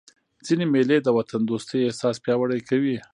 ځيني مېلې د وطن دوستۍ احساس پیاوړی کوي.